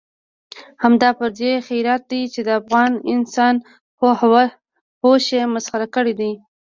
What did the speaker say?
همدا پردی خیرات دی چې د افغان انسان هوش یې مسخره کړی دی.